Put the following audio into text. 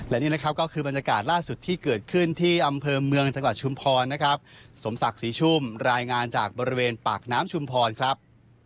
และนี่นะครับก็คือบรรยากาศล่าสุดที่เกิดขึ้นที่อำเภอเมืองจังหวัดชุมพรนะครับสมศักดิ์ศรีชุ่มรายงานจากบริเวณปากน้ำชุมพรครับ